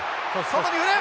外に振る！